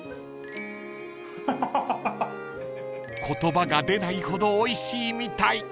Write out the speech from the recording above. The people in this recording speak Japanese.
［言葉が出ないほどおいしいみたい］